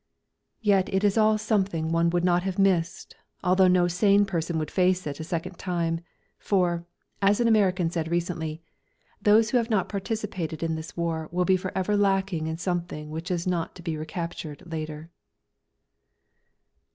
Yet it is all something one would not have missed, although no sane person would face it a second time; for, as an American said recently: "Those who have not participated in this war will be for ever lacking in something which is not to be recaptured later."